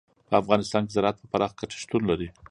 په افغانستان کې زراعت په پراخه کچه شتون لري.